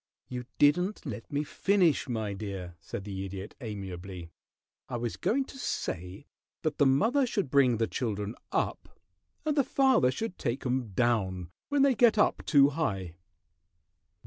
"You didn't let me finish, my dear," said the Idiot, amiably. "I was going to say that the mother should bring the children up, and the father should take 'em down when they get up too high."